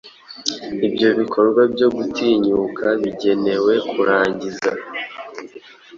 Ibyo bikorwa byo gutinyuka bigenewe kurangiza